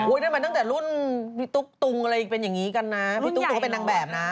อุ๊ยมันตั้งแต่รุ่นพี่ตุ๊กตุงอะไรเป็นอย่างนี้กันนะ